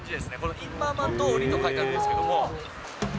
インマーマン通りと書いてありますけれども。